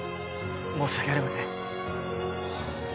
申し訳ありませんはっ